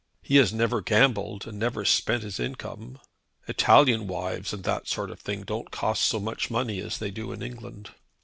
He has never gambled, and never spent his income. Italian wives and that sort of thing don't cost so much money as they do in England.